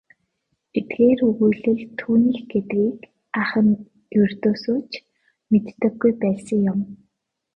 Эдгээр өгүүлэл түүнийх гэдгийг ах нь ердөөсөө ч мэддэггүй байсан юм.